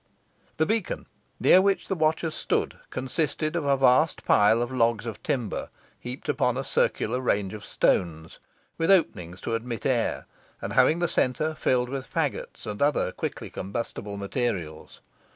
The beacon, near which the watchers stood, consisted of a vast pile of logs of timber, heaped upon a circular range of stones, with openings to admit air, and having the centre filled with fagots, and other quickly combustible materials.